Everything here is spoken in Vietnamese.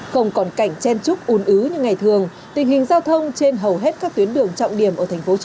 không còn cảnh chen chúc un ứ như ngày thường tình hình giao thông trên hầu hết các tuyến đường trọng điểm ở tp hcm